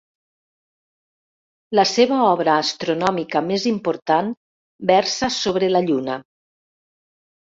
La seva obra astronòmica més important versa sobre la Lluna.